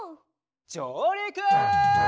じょうりく！